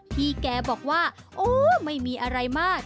พี่แกบอกว่าโอ้ไม่มีอะไรมาก